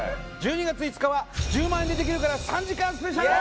１２月５日は『１０万円でできるかな』３時間スペシャル！